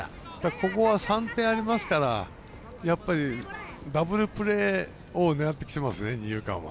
ここは３点ありますからダブルプレーを狙ってきてますね二遊間は。